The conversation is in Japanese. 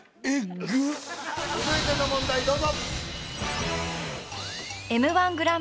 続いての問題どうぞ！